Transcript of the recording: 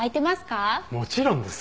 もちろんです。